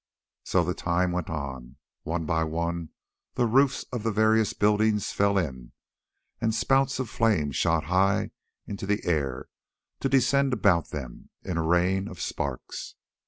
So the time went on. One by one the roofs of the various buildings fell in, and spouts of flame shot high into the air to descend about them in a rain of sparks.